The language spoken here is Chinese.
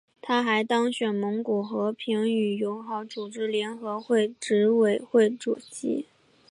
他还当选为蒙古和平与友好组织联合会执委会主席。